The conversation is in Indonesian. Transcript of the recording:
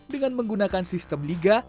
dengan menggunakan sistem liga